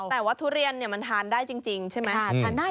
แต่ว่าทุเรียนมันทานได้จริงใช่ไหม